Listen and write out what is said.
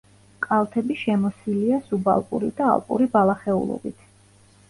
კალთები შემოსილია სუბალპური და ალპური ბალახეულობით.